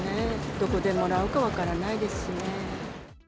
どこでもらうか分からないですしね。